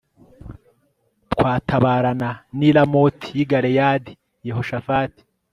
twatabarana n i ramoti y i galeyadi yehoshafati